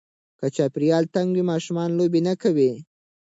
که چاپېریال تنګ وي، ماشومان لوبې نه کوي.